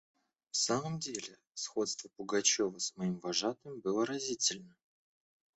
В самом деле сходство Пугачева с моим вожатым было разительно.